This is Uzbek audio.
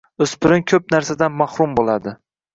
o’spirin ko’p narsadan mahrum bo’ladi.